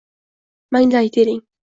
Manglay tering